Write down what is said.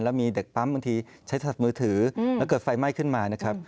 แล้วมีเด็กปั๊มบางทีใช้โทรศัพท์มือถือแล้วเกิดไฟไหม้ขึ้นมานะครับ